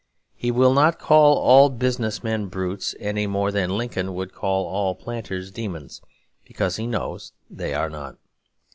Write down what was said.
He will not call all business men brutes, any more than Lincoln would call all planters demons; because he knows they are not.